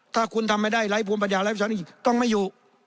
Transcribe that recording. ถ้าคุณทำไม่ได้ไร้ภูมิบัญญาไร้วิสัยทัศน์ต้องไม่อยู่